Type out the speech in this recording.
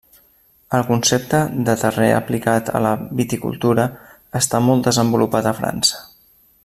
El concepte de terrer aplicat a la viticultura està molt desenvolupat a França.